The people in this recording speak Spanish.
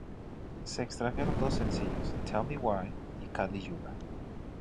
Se extrajeron dos sencillos, "Tell Me Why" y "Kali Yuga".